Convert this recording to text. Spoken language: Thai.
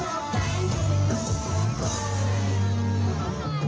แต่ว่าซักที